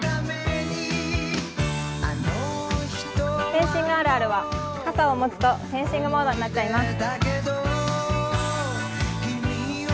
フェンシングあるあるは傘を持つとフェンシングモードになっちゃいます。